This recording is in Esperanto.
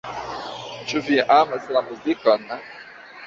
Ĉu vi amas la muzikon?